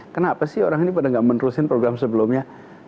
kenapa sih orang ini pada gak menerusin program sebelumnya